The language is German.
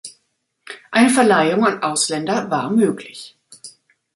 Eine Verleihung an Ausländer war möglich.